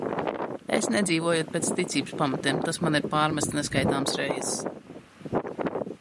Es nedzīvojot pēc ticības pamatiem, tas man ir pārmests neskaitāmas reizes.